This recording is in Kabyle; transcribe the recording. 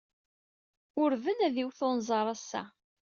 Urden ad d-iwet unẓar ass-a.